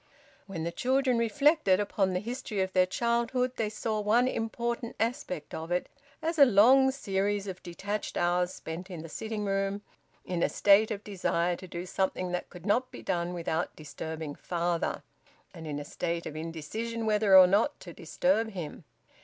When the children reflected upon the history of their childhood they saw one important aspect of it as a long series of detached hours spent in the sitting room, in a state of desire to do something that could not be done without disturbing father, and in a state of indecision whether or not to disturb him.